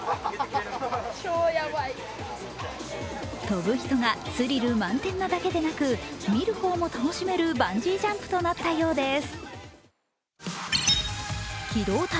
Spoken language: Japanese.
飛ぶ人がスリル満点なだけでなく、見る方も楽しめるバンジージャンプとなったようです。